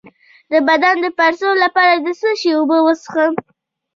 د بدن د پړسوب لپاره د څه شي اوبه وڅښم؟